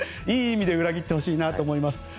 いい意味で裏切ってほしいと思います。